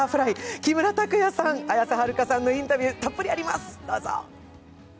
木村拓哉さん、綾瀬はるかさんのインタビューたっぷりあります、どうぞ！